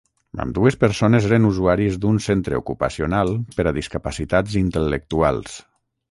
Ambdues persones eren usuàries d’un centre ocupacional per a discapacitats intel·lectuals.